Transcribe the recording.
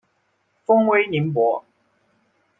封威宁伯。